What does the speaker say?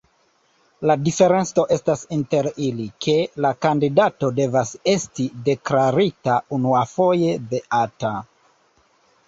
La diferenco estas inter ili, ke la kandidato devas esti deklarita unuafoje beata.